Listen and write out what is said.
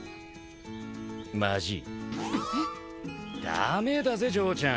駄目だぜ嬢ちゃん。